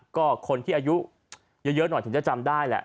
ก็คนที่อายุเยอะหน่อยถึงจะจำได้แหละ